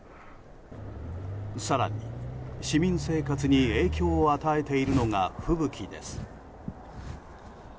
更に市民生活に影響を与えているのが吹雪です。